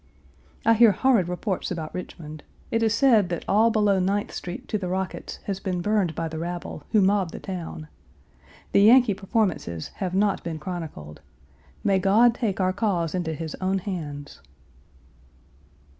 "I hear horrid reports about Richmond. It is said that all below Ninth Street to the Rocketts has been burned by the rabble, who mobbed the town. The Yankee performances have not been chronicled. May God take our cause into His own hands."